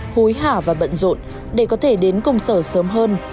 hối hả và bận rộn để có thể đến công sở sớm hơn